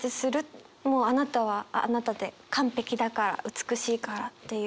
もうあなたはあなたで完璧だから美しいからっていう。